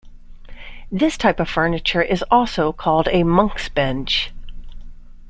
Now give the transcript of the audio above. This type of furniture is also called a monks bench.